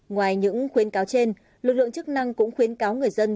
ngoài những khuyến cáo trên lực lượng chức năng cũng khuyến cáo người dân